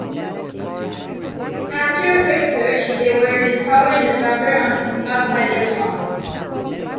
After a quick search, they were discovered in the gutter outside the restaurant.